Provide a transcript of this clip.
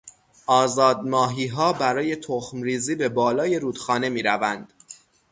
آزاد ماهیها برای تخم ریزی به بالای رود خانه میروند.